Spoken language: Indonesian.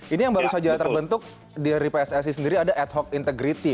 ini yang baru saja terbentuk dari pssi sendiri ada ad hoc integrity